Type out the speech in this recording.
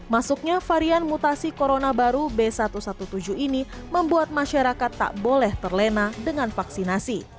masuknya varian mutasi corona baru b satu satu tujuh ini membuat masyarakat tak boleh terlena dengan vaksinasi